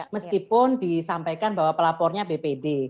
meskipun disampaikan bahwa pelapornya bpd